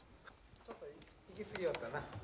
ちょっと行き過ぎよったな。